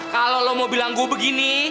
kalau lo mau bilang gue begini